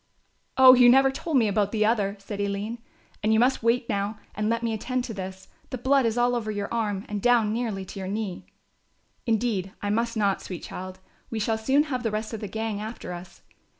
"Oh, you never told me about the other," said Aline, "and you must wait now and let me attend to this; the blood is all over your arm and down nearly to your knee." "Indeed, I must not, sweet child, we shall soon have the rest of the gang after us.